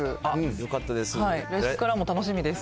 よかったです。